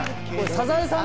「サザエさん」